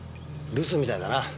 留守みたいだな。